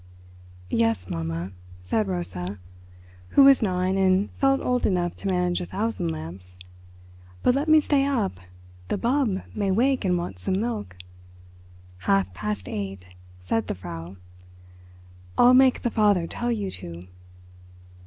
"Yes, Mamma," said Rosa, who was nine and felt old enough to manage a thousand lamps. "But let me stay up—the 'Bub' may wake and want some milk." "Half past eight!" said the Frau. "I'll make the father tell you too."